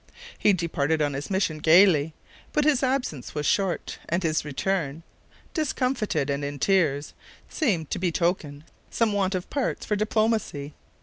He departed on his mission gaily; but his absence was short, and his return, discomfited and in tears, seemed to betoken some want of parts for diplomacy.